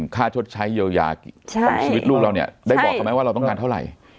ค่าชดใช้เยียวยาของชีวิตลูกเราเนี่ยได้บอกเขาไหมว่าเราต้องการเท่าไหร่